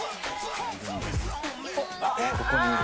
ここにいる。